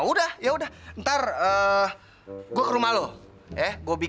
wah gimana anything uhh b zusammen